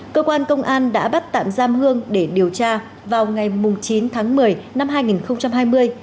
cơ quan công an đã bắt tạm giam hương để điều tra vào ngày chín tháng một mươi năm hai nghìn hai mươi